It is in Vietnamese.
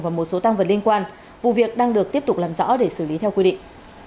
và một số tăng vật liên quan vụ việc đang được tiếp tục làm rõ để xử lý theo quy định